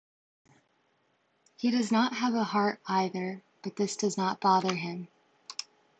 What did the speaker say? He does not have a heart either, but this does not bother him.